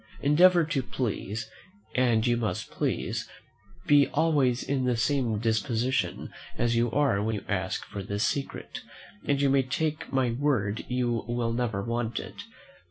Endeavour to please, and you must please; be always in the same disposition as you are when you ask for this secret, and you may take my word you will never want it.